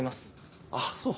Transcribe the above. あっそう。